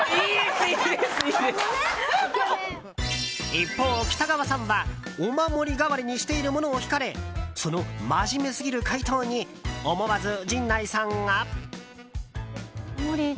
一方、北川さんはお守り代わりにしているものを聞かれその真面目すぎる回答に思わず、陣内さんが。